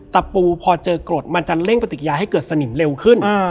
ตะปูพอเจอกรดมันจะเร่งปฏิญาให้เกิดสนิมเร็วขึ้น